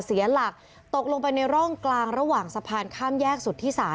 เสียหลักตกลงไปในร่องกลางระหว่างสะพานข้ามแยกสุธิศา